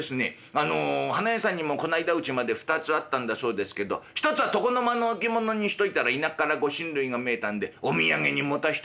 あの花屋さんにもこないだうちまで２つあったんだそうですけど一つは床の間の置物にしといたら田舎からご親類が見えたんでお土産に持たしたそうです」。